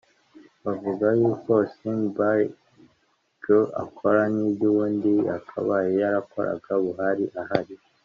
Bavuga yuko Osinibajo akora niby’ubundi yakabaye yarakoraga Buhari ahari